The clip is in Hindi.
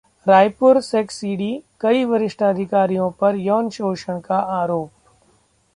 रायपुर सेक्स सीडी, कई वरिष्ठ अधिकारियों पर यौन शोषण का आरोप